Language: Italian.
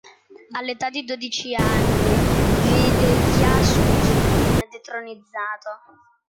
All'età di dodici anni vide Ghiyas-us-din detronizzato.